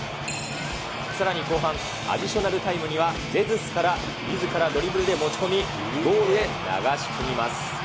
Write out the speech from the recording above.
さらに後半、アディショナルタイムには、ジェズスからみずからドリブルで持ち込み、ゴールへ流し込みます。